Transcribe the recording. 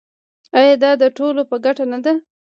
آیا دا د ټولو په ګټه نه ده؟